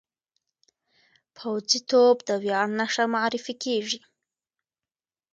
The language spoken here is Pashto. پوځي توب د ویاړ نښه معرفي کېږي.